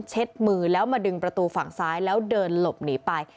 มือแล้วมาดึงประตูฝั่งซ้ายแล้วเดินหลบหนีไป